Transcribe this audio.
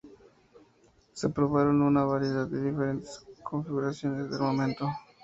Se probaron una variedad de diferentes configuraciones de armamento.